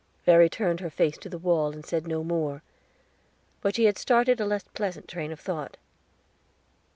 Verry turned her face to the wall and said no more; but she had started a less pleasant train of thought.